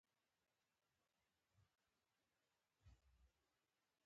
نورستان د افغانستان د چاپیریال ساتنې لپاره مهم دي.